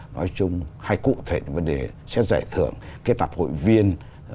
nói chung hay cụ thể vấn đề xét giải thưởng kết nạp hội viên